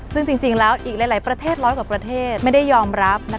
ซึ่งจริงแล้วอีกหลายประเทศร้อยกว่าประเทศไม่ได้ยอมรับ